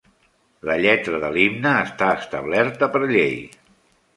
La lletra de l'himne està establerta per llei.